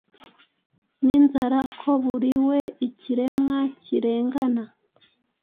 Ninzara, ko buriwee Ikiremwa cyirengana